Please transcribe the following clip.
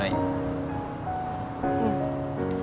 うん。